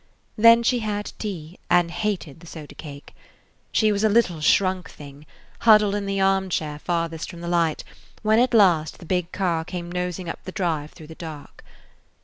Then she had tea, and hated the soda cake. She was a little, shrunk thing, huddled in the arm chair farthest from the light, when at last the big car came nosing up the drive through the dark.